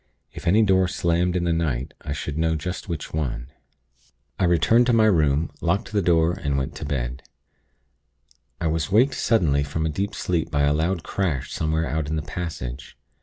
If any door slammed in the night, I should know just which one. "I returned to my room, locked the door, and went to bed. I was waked suddenly from a deep sleep by a loud crash somewhere out in the passage.